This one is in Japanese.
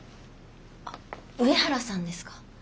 あ上原さんですか？